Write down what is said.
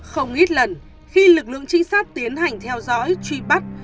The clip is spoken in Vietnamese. không ít lần khi lực lượng trinh sát tiến hành theo dõi truy bắt